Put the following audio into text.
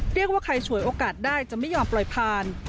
เรียกว่าใครฉวยโอกาสได้จะไม่ยอมปล่อยผ่าน